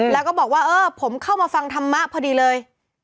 แล้วก็บอกว่าเออผมเข้ามาฟังธรรมะพอดีเลย